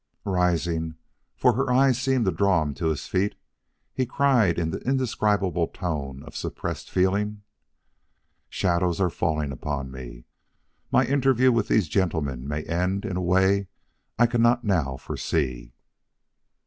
Rising, for her eyes seemed to draw him to his feet, he cried in the indescribable tone of suppressed feeling: "Shadows are falling upon me. My interview with these gentlemen may end in a way I cannot now foresee.